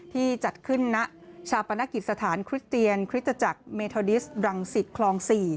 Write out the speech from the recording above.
ที่จัดขึ้นนักชาวประนักกิจสถานคริสต์เตียนคริสต์จักรเมทอดิสต์ดรังสิทธิ์คลอง๔